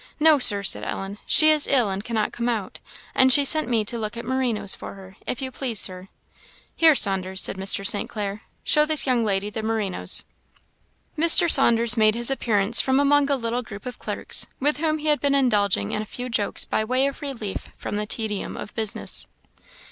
"No, Sir," said Ellen, "she is ill, and cannot come out, and she sent me to look at merinoes for her, if you please, Sir." "Here, Saunders," said Mr. St. Clair, "show this young lady the merinoes." Mr. Saunders made his appearance from among a little group of clerks, with whom he had been indulging in a few jokes by way of relief from the tedium of business.